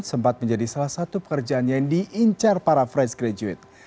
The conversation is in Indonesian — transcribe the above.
sempat menjadi salah satu pekerjaan yang diincar para fans graduate